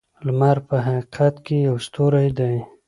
لمر په حقیقت کې یو ستوری دی.